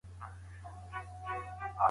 که د چا روژه وي په دعوت کي ګډون کولای سي؟